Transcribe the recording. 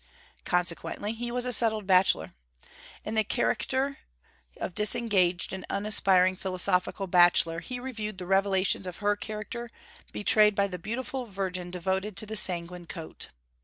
Consequently he was a settled bachelor. In the character of disengaged and unaspiring philosophical bachelor, he reviewed the revelations of her character betrayed by the beautiful virgin devoted to the sanguine coat.